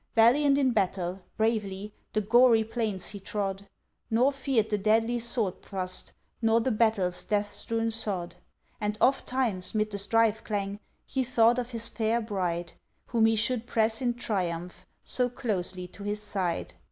Valiant in battle—bravely The gory plains he trod, Nor feared the deadly sword thrust, Nor th' battles death strewn sod. And ofttimes 'mid the strife clang, He thought of his fair bride; Whom he should press in triumph, So closely to his side.